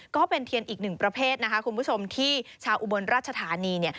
ก็เป็นเทียนอีกหนึ่งประเภทที่ชาวอุบรรณราชฐานี